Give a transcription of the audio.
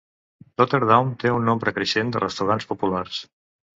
Totterdown té un nombre creixent de restaurants populars.